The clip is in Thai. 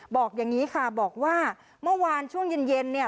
บอกอย่างนี้ค่ะบอกว่าเมื่อวานช่วงเย็นเย็นเนี่ย